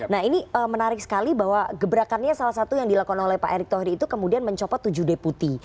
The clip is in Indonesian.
nah ini menarik sekali bahwa gebrakannya salah satu yang dilakukan oleh pak erick thohir itu kemudian mencopot tujuh deputi